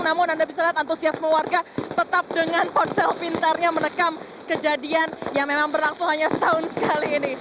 namun anda bisa lihat antusiasme warga tetap dengan ponsel pintarnya merekam kejadian yang memang berlangsung hanya setahun sekali ini